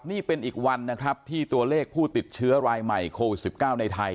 นี่เป็นอีกวันนะครับที่ตัวเลขผู้ติดเชื้อรายใหม่โควิด๑๙ในไทย